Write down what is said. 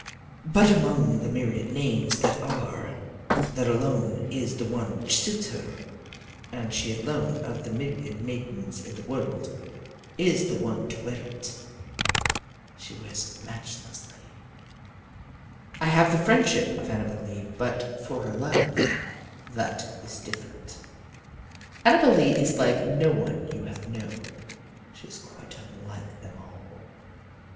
But among the myriad names that are, that alone is the one which suits her; and she alone of the myriad maidens in the world is the one to wear it. She wears it matchlessly. I have the friendship of Annabel Lee; but for her love, that is different. Annabel Lee is like no one you have known. She is quite unlike them all.